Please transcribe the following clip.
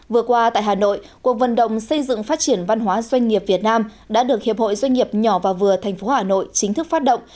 vừa qua tại hà nội cuộc vận động xây dựng phát triển văn hóa doanh nghiệp việt nam đã được hiệp hội doanh nghiệp nhỏ và vừa tp hà nội chính thức phát động